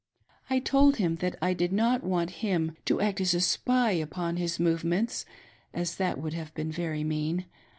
I told him that I did not want him to act as a spy upon his movements, as that would have been very mean.